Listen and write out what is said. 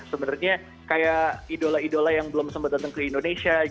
sebenarnya kayak idola idola yang belum sempat datang ke indonesia